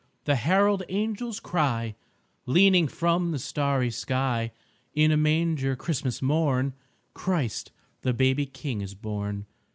the herald angels cry Leaning from the starry sky, "In a manger Christmas morn Christ the baby King is born!"